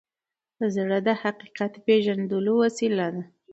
زړه د حقیقت پیژندلو وسیله ده.